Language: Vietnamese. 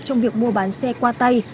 trong việc mua bán xe qua tay